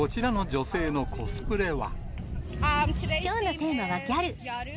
きょうのテーマはギャル。